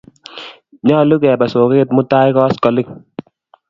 Nyalu kepe soget mutai koskoling'